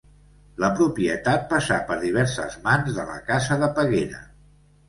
La propietat passà per diverses mans de la casa de Peguera.